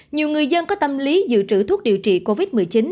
nhiều người dân có tâm lý dự trữ thuốc điều trị covid một mươi chín